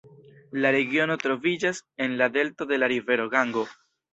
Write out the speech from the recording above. La regiono troviĝas en la delto de la rivero Gango.